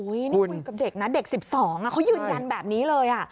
นี่คุยกับเด็กนะเด็ก๑๒เขายืนยันแบบนี้เลย